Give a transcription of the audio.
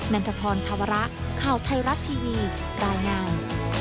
ันทพรธวระข่าวไทยรัฐทีวีรายงาน